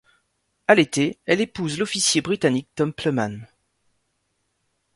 À l'été, elle épouse l'officier britannique Tom Plewman.